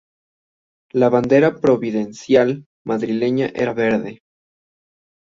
La bandera provincial madrileña era verde.